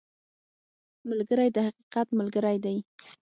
ملګری د حقیقت ملګری دی